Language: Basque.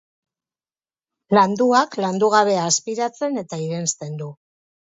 Landuak landugabea azpiratzen eta irensten du.